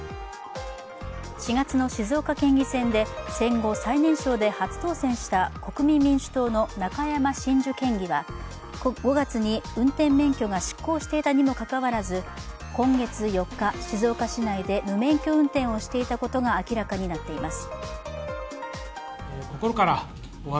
４月の静岡県議選で戦後最年少で初当選した国民民主党の中山真珠県議は、５月に運転免許が失効していたにも関わらず今月４日、静岡市内で無免許運転をしていたことが明らかになっています。